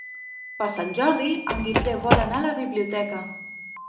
Per Sant Jordi en Guifré vol anar a la biblioteca.